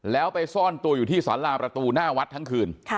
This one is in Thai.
แล้วไปซ่อนตัวอยู่ที่สาราประตูหน้าวัดทั้งคืน